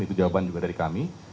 itu jawaban juga dari kami